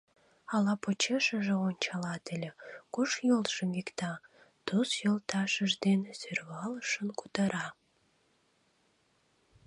— Ала почешыже ончалат ыле, куш йолжым викта, — Туз йолташыж дене сӧрвалышын кутыра.